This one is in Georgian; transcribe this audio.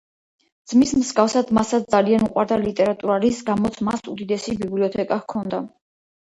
ძმის მსგავსად, მასაც ძალიან უყვარდა ლიტერატურა, რის გამოც მას უდიდესი ბიბლიოთეკა ჰქონდა.